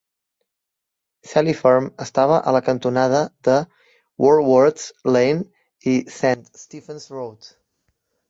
Selly Farm estava a la cantonada de Warwards Lane i Saint Stephen's Road.